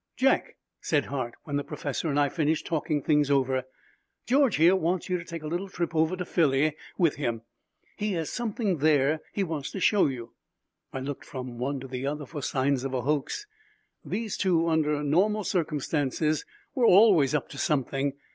"Jack," said Hart, when the professor and I finished talking things over, "George here wants you to take a little trip over to Philly with him. He has something there he wants to show you." I looked from one to the other for signs of a hoax. These two, under normal circumstances, were always up to something.